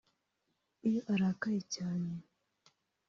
Iyo arakaye cyane